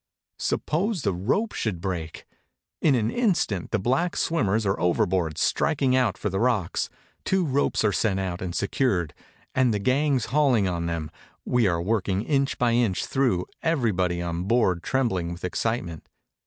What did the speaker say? Sup pose the rope should break! In an instant the black swimmers are overboard striking out for the rocks; two ropes are sent out, and secured; and, the gangs hauling 255 EGYPT on them, we are working inch by inch through, every body on board trembHng with excitement.